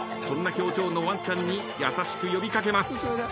そんな表情のワンチャンに優しく呼び掛けます。